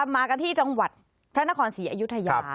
มากันที่จังหวัดพระนครศรีอยุธยา